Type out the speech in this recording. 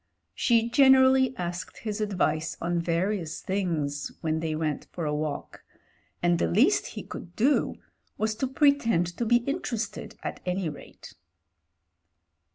She gen erally asked his advice on various things when thej went for a walk, and the least he could do was to pretend to be interested at any rate.